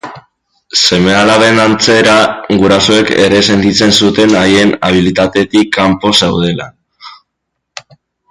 Seme-alaben antzera, gurasoek ere sentitzen zuten haien habitatetik kanpo zeudela.